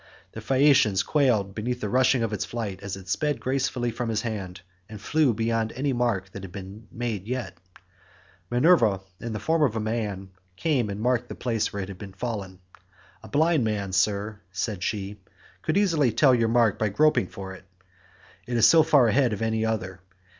The Phaeacians quailed beneath the rushing of its flight as it sped gracefully from his hand, and flew beyond any mark that had been made yet. Minerva, in the form of a man, came and marked the place where it had fallen. "A blind man, Sir," said she, "could easily tell your mark by groping for it—it is so far ahead of any other.